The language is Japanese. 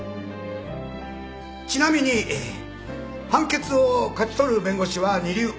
ちなみに判決を勝ち取る弁護士は二流。